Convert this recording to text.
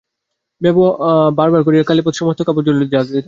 বারবার করিয়া কালীপদ সমস্ত কাপড় সবলে ঝাড়া দিতে লাগিল, নোট বাহির হইল না।